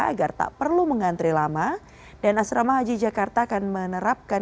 agar tak perlu mengantri lama dan asrama haji jakarta akan menerapkan